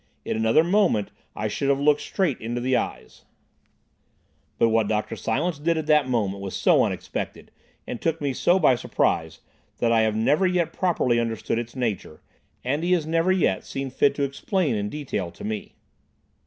In another moment I should have looked straight into the eyes— But what Dr. Silence did at that moment was so unexpected, and took me so by surprise, that I have never yet properly understood its nature, and he has never yet seen fit to explain in detail to me.